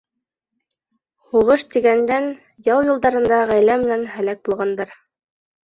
Һуғыш тигәндән, яу йылдарында ғаилә менән һәләк булғандар.